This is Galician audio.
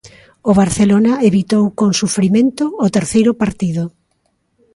O Barcelona evitou con sufrimento o terceiro partido.